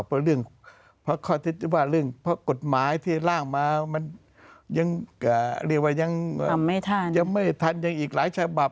เพราะเรื่องเพราะกฎหมายที่ล่างมาเรียกว่ายังไม่ทันยังอีกหลายฉบับ